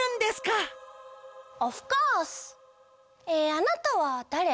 えあなたはだれ？